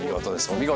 お見事。